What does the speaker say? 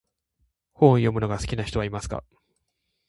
本を読むのが好きな人はいますか？